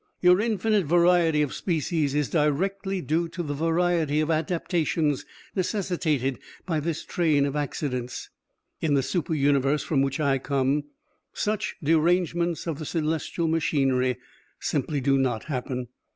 "Your infinite variety of species is directly due to the variety of adaptations necessitated by this train of accidents. In the super universe from which I come, such derangements of the celestial machinery simply do not happen.